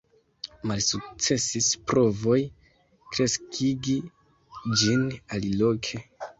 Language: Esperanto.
Malsukcesis provoj kreskigi ĝin aliloke.